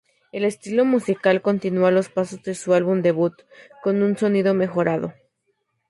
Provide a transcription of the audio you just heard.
El estilo musical continúa los pasos de su álbum debut, con un sonido mejorado.